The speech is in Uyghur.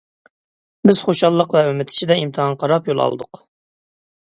بىز خۇشاللىق ۋە ئۈمىد ئىچىدە ئىمتىھانغا قاراپ يول ئالدۇق.